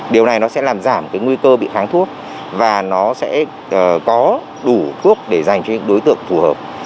điều này nó sẽ làm giảm cái nguy cơ bị kháng thuốc và nó sẽ có đủ thuốc để dành cho những đối tượng phù hợp